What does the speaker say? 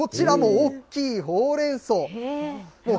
こちらも大きいほうれんそう。